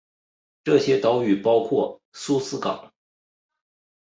这些岛屿包括苏斯港。